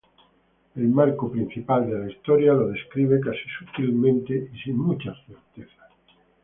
El marco principal de la historia lo describe casi sutilmente y sin muchas certezas.